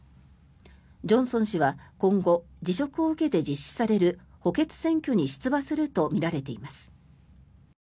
ジョンソン氏は今後辞職を受けて実施される補欠選挙に出馬するとみられています。